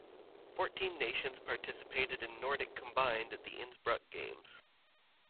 Fourteen nations participated in nordic combined at the Innsbruck Games.